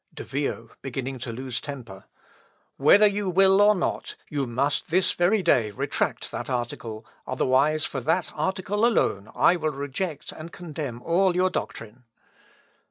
De Vio, (beginning to lose temper.) "Whether you will or not, you must this very day retract that article; otherwise for that article alone, I will reject and condemn all your doctrine."